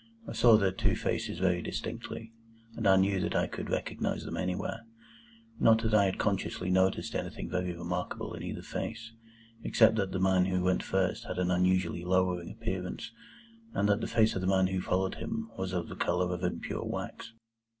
I saw their two faces very distinctly, and I knew that I could recognise them anywhere. Not that I had consciously noticed anything very remarkable in either face, except that the man who went first had an unusually lowering appearance, and that the face of the man who followed him was of the colour of impure wax.